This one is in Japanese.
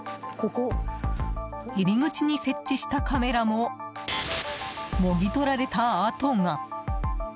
入り口に設置したカメラももぎ取られた跡が。